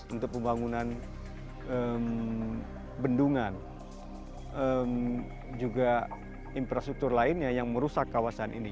untuk pembangunan bendungan juga infrastruktur lainnya yang merusak kawasan ini